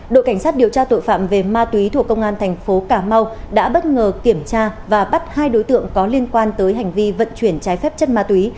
đội cảnh sát điều tra tội phạm về ma túy thuộc công an thành phố cà mau đã bất ngờ kiểm tra và bắt hai đối tượng có liên quan tới hành vi vận chuyển trái phép chất ma túy